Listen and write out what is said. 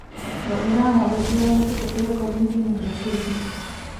د ایران او روسیې اړیکې په تېرو کلونو کې نږدې شوي دي.